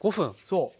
そう。